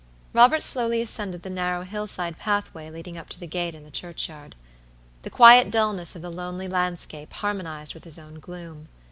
Robert slowly ascended the narrow hillside pathway leading up to the gate in the churchyard. The quiet dullness of the lonely landscape harmonized with his own gloom.